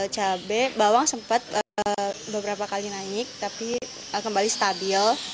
cabai bawang sempat beberapa kali naik tapi kembali stabil